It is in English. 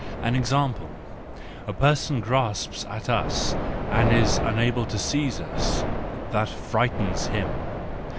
An example: a person grasps at us, and is unable to seize us. That frightens him.